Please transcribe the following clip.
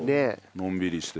のんびりして。